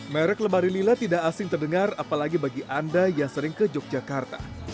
merek lemari lila tidak asing terdengar apalagi bagi anda yang sering ke yogyakarta